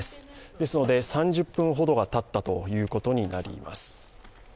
ですので３０分ほどがたったということになります。